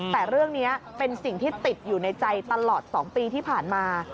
แต่เรื่องนี้เป็นสิ่งที่ติดอยู่ในใจตลอด๒ปีที่ผ่านมา